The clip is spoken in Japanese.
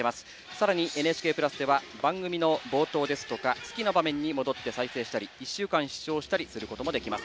さらに、「ＮＨＫプラス」では番組の冒頭や好きな場面に戻って再生したり１週間、視聴することもできます。